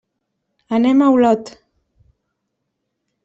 Anem a Olot.